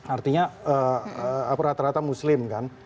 artinya rata rata muslim kan